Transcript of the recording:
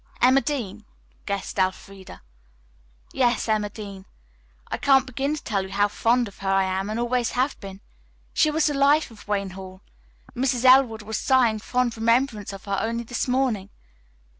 "Emma Dean?" guessed Elfreda. "Yes, Emma Dean. I can't begin to tell you how fond of her I am and always have been. She was the life of Wayne Hall. Mrs. Elwood was sighing fond remembrance of her only this morning.